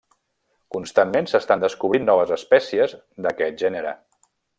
Constantment s'estan descobrint noves espècies d'aquest gènere.